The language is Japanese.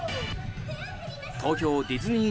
東京ディズニー